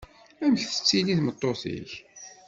Amek tettili tmeṭṭut-ik?